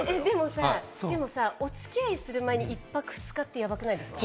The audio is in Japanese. でもさ、お付き合いする前に１泊２日ってやばくないですか？